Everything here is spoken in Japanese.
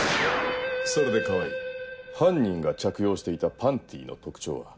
それで川合犯人が着用していたパンティの特徴は？